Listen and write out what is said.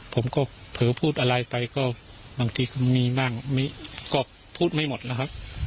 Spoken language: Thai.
ผมก็เผลอพูดอะไรไปก็บางทีก็มีบ้างก็พูดไม่หมดแล้วครับ